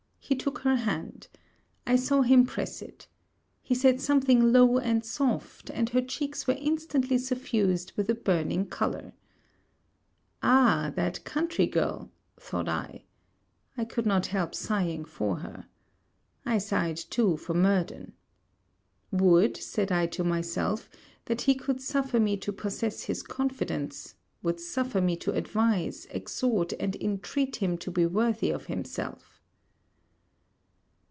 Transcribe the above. He took her hand. I saw him press it. He said something low and soft, and her cheeks were instantly suffused with a burning colour. Ah that country girl! thought I. I could not help sighing for her. I sighed too for Murden. 'Would,' said I to myself, 'that he could suffer me to possess his confidence, would suffer me to advise, exhort, and intreat him to be worthy of himself!'